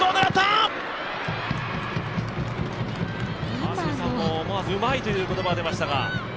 川澄さんも思わずうまいと言葉が出ましたが。